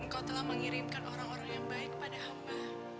engkau telah mengirimkan orang orang yang baik kepada hamba